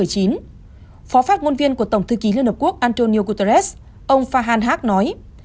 phó phát ngôn viên của tổng thư ký liên hợp quốc antonio guterres ông fahan hak nói